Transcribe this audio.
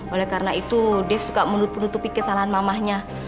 oleh karena itu dev suka menutupi kesalahan mamahnya